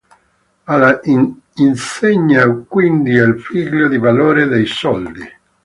Alan insegna quindi al figlio il valore dei soldi.